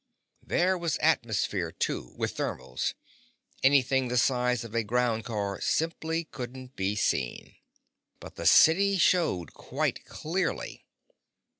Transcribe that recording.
There was atmosphere, too, with thermals; anything the size of a ground car simply couldn't be seen. But the city showed quite clearly.